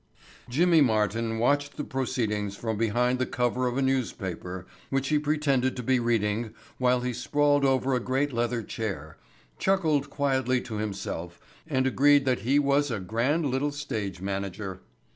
Jimmy Martin, watching the proceedings from behind the cover of a newspaper which he pretended to be reading while he sprawled over a great leather chair, chuckled quietly to himself and agreed that he was a grand little stage manager.